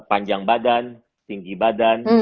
panjang badan tinggi badan